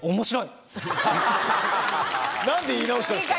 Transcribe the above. なんで言い直したんですか？